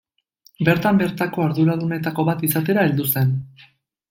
Bertan bertako arduradunetako bat izatera heldu zen.